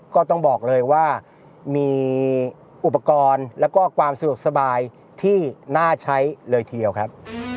ก็ต้องบอกเลยว่ามีอุปกรณ์แล้วก็ความสะดวกสบายที่น่าใช้เลยทีเดียวครับ